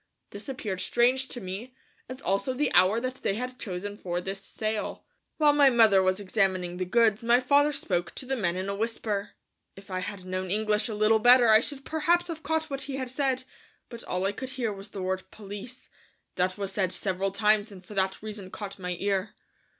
This appeared strange to me, as also the hour that they had chosen for this sale. While my mother was examining the goods my father spoke to the men in a whisper. If I had known English a little better I should perhaps have caught what he said, but all I could hear was the word "police," that was said several times and for that reason caught my ear.